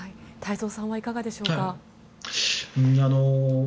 太蔵さんはいかがでしょうか。